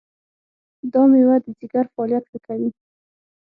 دا مېوه د ځیګر فعالیت ښه کوي.